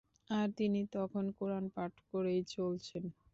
আর তিনি তখন কুরআন পাঠ করেই চলছেন।